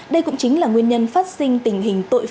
đây cũng chính là nguyên nhân phát sinh tình hình tội phạm